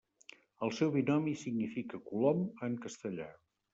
El seu binomi significa colom en castellà.